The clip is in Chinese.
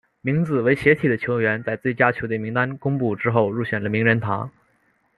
名字为斜体的球员在最佳球队名单公布之后入选了名人堂。